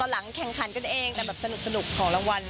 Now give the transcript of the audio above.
หลังแข่งขันกันเองแต่แบบสนุกของรางวัล